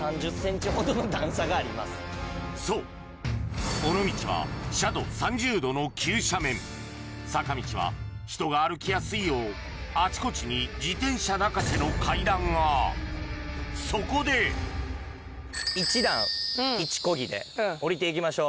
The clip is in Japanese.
そう尾道は斜度３０度の急斜面坂道は人が歩きやすいようあちこちに自転車泣かせの階段がそこで１段１コギで下りて行きましょう。